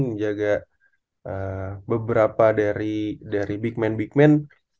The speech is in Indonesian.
menjaga beberapa dari big man big man